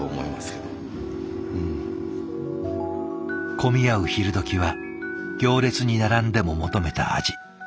混み合う昼どきは行列に並んでも求めた味。